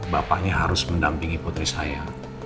bapaknya harus mendampingi putri saya